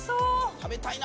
食べたいな！